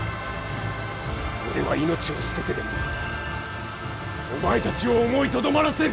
俺は命を捨ててでもお前たちを思いとどまらせる。